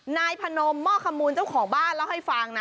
นายพนมหม้อขมูลเจ้าของบ้านเล่าให้ฟังนะ